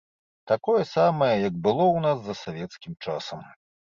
Такое самае, як было ў нас за савецкім часам.